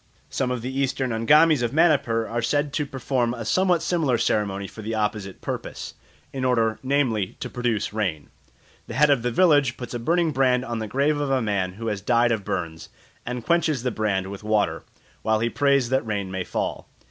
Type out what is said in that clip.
Some of the Eastern Angamis of Manipur are said to perform a some what similar ceremony for the opposite purpose, in order, namely, to produce rain. The head of the village puts a burning brand on the grave of a man who has died of burns, and quenches the brand with water, while he prays that rain may fall.